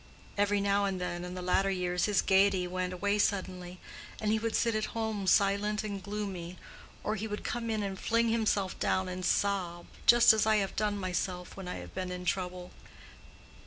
Every now and then in the latter years his gaiety went away suddenly, and he would sit at home silent and gloomy; or he would come in and fling himself down and sob, just as I have done myself when I have been in trouble.